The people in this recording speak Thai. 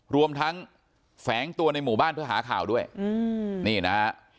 รวมทั้งแฝงตัวในหมู่บ้านเพื่อหาข่าวด้วยนี่นะฮะ